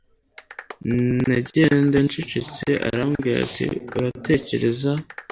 Nagenda ncecetse arambwira ati Uratekereza